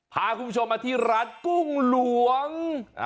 พาคุณผู้ชมมาที่ร้านกุ้งหลวง